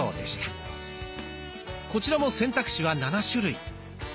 こちらも選択肢は７種類。